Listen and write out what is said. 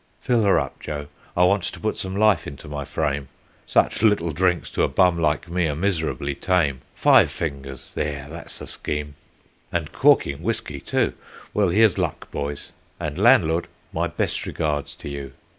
"Fill her up, Joe, I want to put some life into my frame Such little drinks to a bum like me are miserably tame; Five fingers there, that's the scheme and corking whiskey, too. Well, here's luck, boys, and landlord, my best regards to you.